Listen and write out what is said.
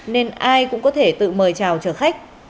nên ai cũng có thể tự mời chào chở khách